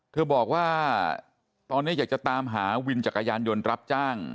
เธอบอกว่าตอนนี้อยากจะตามหาวินจักรยานยนต์รับจ้าง